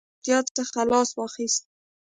احمد له ملګرتیا څخه لاس واخيست